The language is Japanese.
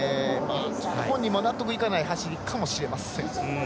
本人も納得いかない走りかもしれません。